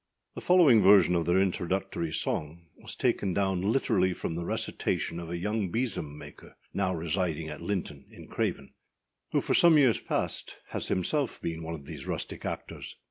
The following version of their introductory song was taken down literally from the recitation of a young besom maker, now residing at Linton in Craven, who for some years past has himself been one of these rustic actors.